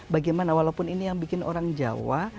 bagaimana walaupun ini yang bikin orang jawa